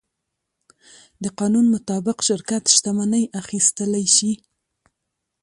د قانون مطابق شرکت شتمنۍ اخیستلی شي.